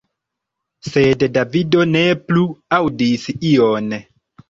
Sed Davido ne plu aŭdis ion.